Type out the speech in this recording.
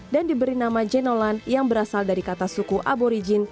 dan diberi nama genelon yang berasal dari kata suku aborigin